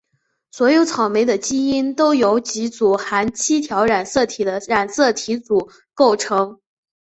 所有草莓的基因都由几组含七条染色体的染色体组构成。